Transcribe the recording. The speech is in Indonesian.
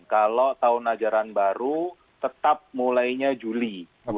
kalau tahun ajaran baru tetap mulainya juli dua ribu dua puluh